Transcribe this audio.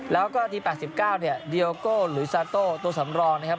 แล้วก็ที๘๙เนี่ยเดียโก้ลุยซาโต้ตัวสำรองนะครับ